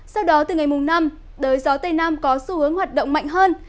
sau đó từ ngày mùng năm đời gió tây nam có xu hướng hoạt động mạnh hơn